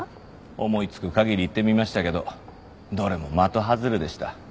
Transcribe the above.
思いつく限り言ってみましたけどどれも的外れでした。